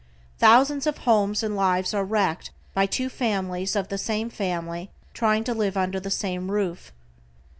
Thousands of homes and lives are wrecked by two families of the same family trying to live under the same roof.